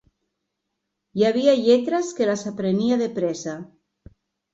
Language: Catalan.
Hi havia lletres que les aprenia depresa